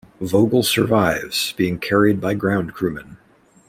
Vogel survives, being carried by ground crewmen.